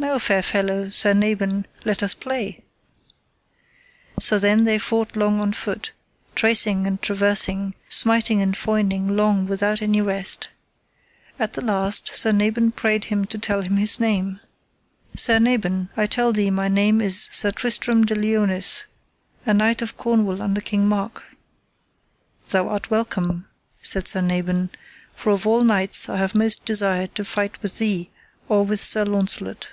Now, fair fellow, Sir Nabon, let us play. So then they fought long on foot, tracing and traversing, smiting and foining long without any rest. At the last Sir Nabon prayed him to tell him his name. Sir Nabon, I tell thee my name is Sir Tristram de Liones, a knight of Cornwall under King Mark. Thou art welcome, said Sir Nabon, for of all knights I have most desired to fight with thee or with Sir Launcelot.